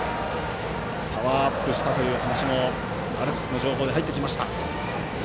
パワーアップしたという話もアルプスの情報で入ってきました。